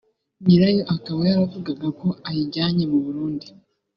nyirayo akaba yaravugaga ko ayijyanye mu Burundi